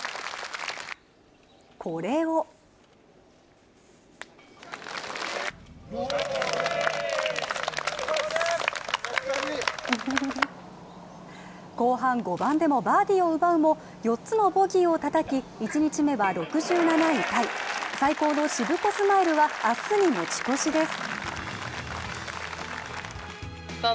これを後半５番でもバーディを奪うも、四つのボギーをたたき、１日目は６７位タイ最高のしぶこスマイルは明日に持ち越しです。